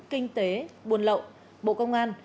kinh tế buôn lậu bộ công an